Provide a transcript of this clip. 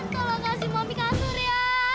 tolong kasih mami kasur yaa